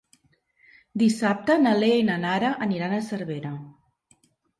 Dissabte na Lea i na Nara aniran a Cervera.